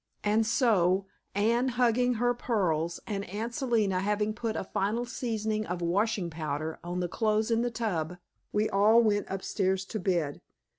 And so, Anne hugging her pearls, and Aunt Selina having put a final seasoning of washing powder on the clothes in the tub, we all went upstairs to bed.